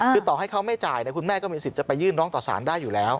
คือต่อให้เขาไม่จ่ายคุณแม่ก็มีสิทธิ์จะไปยื่นร้องต่อสารได้อยู่แล้ว